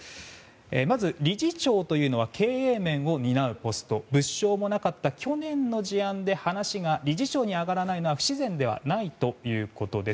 まず理事長というのは経営面を担うポスト物証もなかった去年の時点で話が理事長に上がらないのは不自然ではないということです。